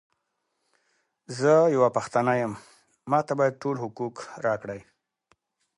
زۀ یوه پښتانه یم، ماته باید ټول حقوق راکړی!